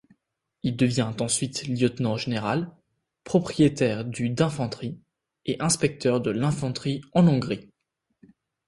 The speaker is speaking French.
Il devient ensuite lieutenant-général, propriétaire du d’infanterie, et inspecteur de l’infanterie en Hongrie.